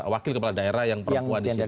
wakil kepala daerah yang jendernya